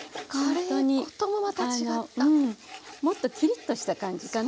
もっとキリッとした感じかな。